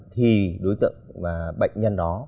thì đối tượng và bệnh nhân đó